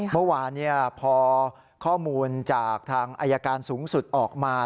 เมื่อวานพอข้อมูลจากทางอายการสูงสุดออกมา